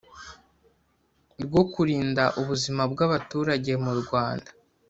rwo kurinda ubuzima bw abaturage mu Rwanda